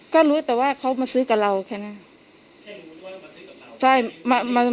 ก็รู้แต่ว่าเขามาซื้อกับเราแค่นั้นแค่รู้ด้วยมาซื้อกับเราใช่มามา